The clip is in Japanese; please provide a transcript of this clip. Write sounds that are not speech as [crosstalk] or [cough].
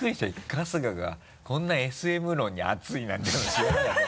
春日がこんな ＳＭ 論に熱いなんての知らなかったから [laughs]